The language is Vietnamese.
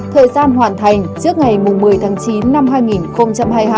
thời gian hoàn thành trước ngày một mươi tháng chín năm hai nghìn hai mươi hai